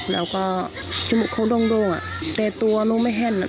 แล้วก็จมูกเขาโด้งอ่ะแต่ตัวหนูไม่เห็น